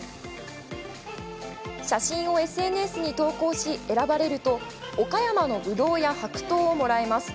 写真をＳＮＳに投稿し選ばれると岡山のぶどうや白桃をもらえます。